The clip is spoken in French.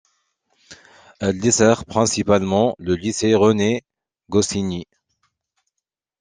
Elle dessert principalement le lycée René-Goscinny.